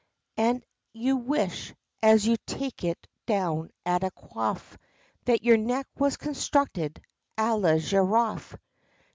And you wish, as you take it down at a quaff, That your neck was constructed à la giraffe.